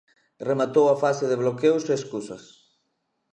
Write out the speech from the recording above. Rematou a fase de bloqueos e escusas.